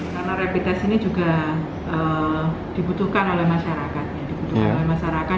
karena rapi tes ini juga dibutuhkan oleh masyarakat